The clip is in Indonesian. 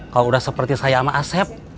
kalau udah seperti saya sama asep